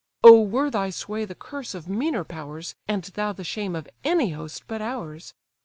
Oh were thy sway the curse of meaner powers, And thou the shame of any host but ours!